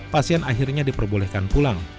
pasien akhirnya diperbolehkan pulang